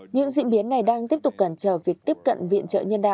những diễn biến này đang tiếp tục cản trở việc tiếp cận viện trợ nhân đạo